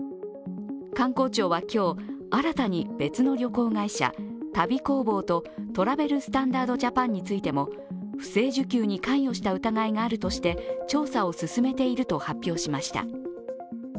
観光庁は今日、新たに別の旅行会社旅工房とトラベル・スタンダード・ジャパンについても不正受給に関与した疑いがあるとして調査を進めていると発表しました。